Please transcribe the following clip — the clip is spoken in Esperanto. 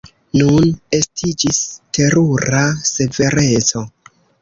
Nun estiĝis terura severeco.